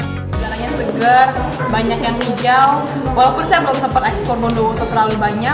udaranya segar banyak yang hijau walaupun saya belum sempat ekspor bondowoso terlalu banyak